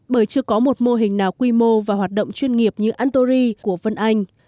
bởi chưa có một mô hình nào quy mô và hoạt động chuyên nghiệp như antory của vân anh